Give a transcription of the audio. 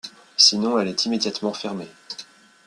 Sinon elle est immédiatement fermée.